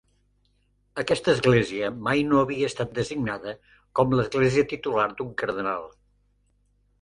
Aquesta església mai no havia estat designada com l'església titular d'un cardenal.